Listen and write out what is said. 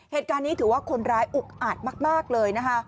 เหตุการณ์นี้ถือว่าคนร้ายอุกอาจมากเลยนะคะ